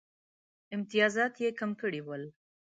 امتیازات یې کم کړي ول.